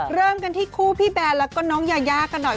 เริ่มกันที่คู่พี่แบนแล้วก็น้องยายากันหน่อย